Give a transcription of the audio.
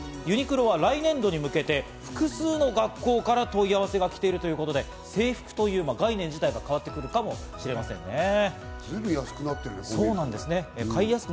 ユニクロは来年度に向けて、複数の学校から問い合わせが来ているということで、制服という概念自体が変わってくるかもしれませんね。